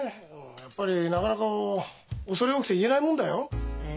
やっぱりなかなか恐れ多くて言えないもんだよ。え？